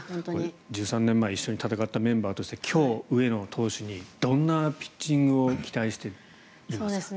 １３年前一緒に戦ったメンバーとして今日、上野投手にどんなピッチングを期待していますか？